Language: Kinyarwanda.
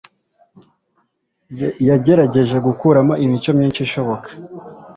yagerageje gukuramo imico myinshi ishoboka